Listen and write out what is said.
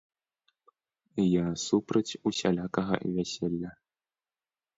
Я супраць усялякага вяселля.